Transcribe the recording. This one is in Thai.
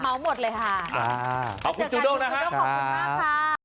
ขอชิ้นนึงขอบคุณครับ